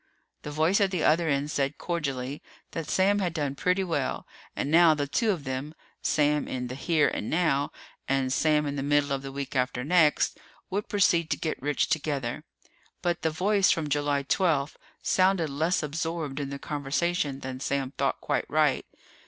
The voice at the other end said cordially that Sam had done pretty well and now the two of them Sam in the here and now and Sam in the middle of the week after next would proceed to get rich together. But the voice from July twelfth sounded less absorbed in the conversation than Sam thought quite right.